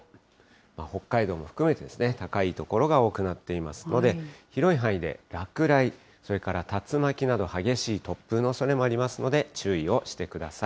北海道も含めてですね、高い所が多くなっていますので、広い範囲で落雷、それから竜巻など激しい突風のおそれもありますので、注意をしてください。